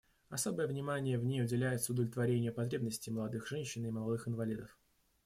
Особое внимание в ней уделяется удовлетворению потребностей молодых женщин и молодых инвалидов.